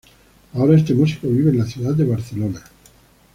Ahora este músico vive en la ciudad de Barcelona.